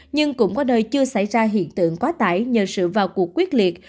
nhưng cũng có nơi chưa xảy ra hiện tượng quá tải nhờ sự vào cuộc quyết liệt